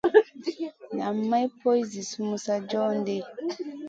Nan ma poy zi sumun sa joh ɗi.